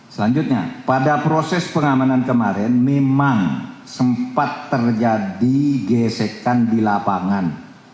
selanjutnya pada proses pengamanan kemarin memang sempat terjadi gesekan di lapangan